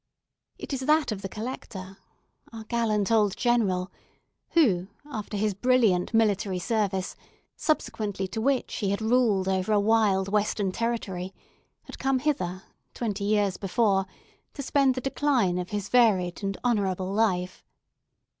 It is that of the Collector, our gallant old General, who, after his brilliant military service, subsequently to which he had ruled over a wild Western territory, had come hither, twenty years before, to spend the decline of his varied and honourable life.